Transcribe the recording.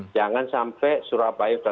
jangan sampai surabaya